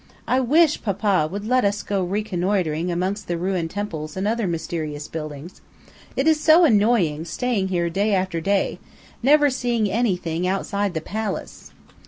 I wish papa would let us go reconnoitering amongst the ruined temples and other mysterious buildings; it is so annoying staying here day after day, never seeing anything outside the palace."